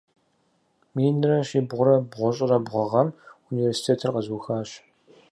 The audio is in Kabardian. Минрэ щибгъурэ бгъущӏрэ бгъу гъэм университетыр къэзыухащ.